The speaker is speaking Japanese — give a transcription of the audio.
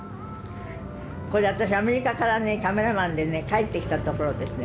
これ私アメリカからカメラマンで帰ってきたところですね